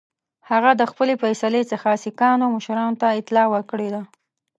هغه د خپلي فیصلې څخه سیکهانو مشرانو ته اطلاع ورکړې ده.